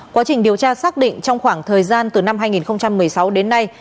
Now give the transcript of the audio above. quá trình điều tra xác định trong khoảng thời gian từ năm hai nghìn một mươi sáu đến nay